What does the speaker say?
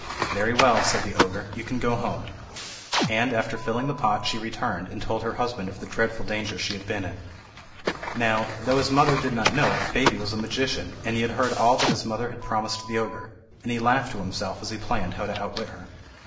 "Very well," said the ogre, "you can go home." And after filling the pot she returned, and told her husband of the dreadful danger she had been in. Now, though his mother did not know it, the baby was a magician and he had heard all that his mother had promised the ogre; and he laughed to himself as he planned how to outwit her.